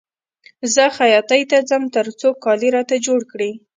زه خیاطۍ ته ځم تر څو کالي راته جوړ کړي